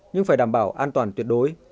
nhưng phải đảm bảo an toàn tuyệt đối